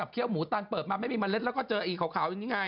เขี้ยวหมูตันเปิดมาไม่มีเมล็ดแล้วก็เจออีขาวอย่างนี้ไง